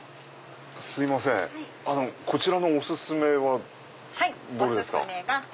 すいませんこちらのお薦めはどれですか？